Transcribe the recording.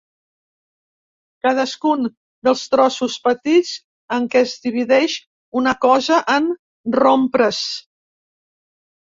Cadascun dels trossos petits en què es divideix una cosa en rompre's.